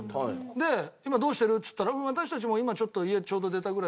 で「今どうしてる？」って言ったら「私たちも今ちょっと家ちょうど出たぐらい」。